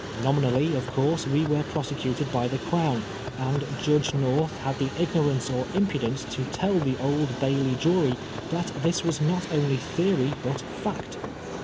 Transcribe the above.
Nominally, of course, we were prosecuted by the Crown ; and Judge North had the ignorance or impudence to tell the Old Bailey jury that this was not only theory but fact.